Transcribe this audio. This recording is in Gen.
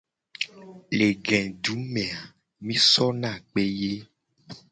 Le gedu me a mi sona kpe ye.